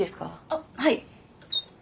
あっはい。